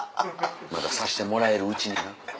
まださせてもらえるうちにな。